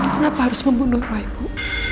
kenapa harus membunuh roy bu